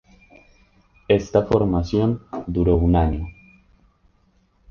Esta formación duró un año.